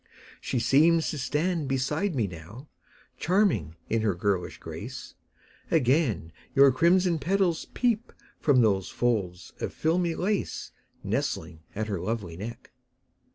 She seems to stand beside me now, Charming in her girlish grace; Again your crimson petals peep From those folds of filmy lace Nestling at her lovely neck.